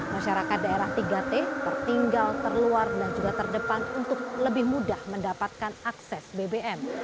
masyarakat daerah tiga t tertinggal terluar dan juga terdepan untuk lebih mudah mendapatkan akses bbm